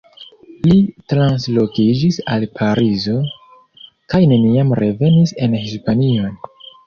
Li translokiĝis al Parizo, kaj neniam revenis en Hispanion.